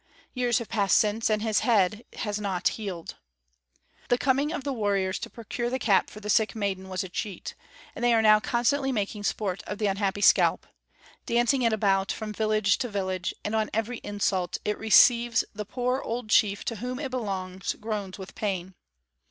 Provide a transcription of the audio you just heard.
Years have passed since, and his head has not healed. The coming of the warriors to procure the cap for the sick maiden was a cheat, and they are now constantly making sport of the unhappy scalp dancing it about from village to village and on every insult it receives the poor old chief to whom it belongs groans with pain.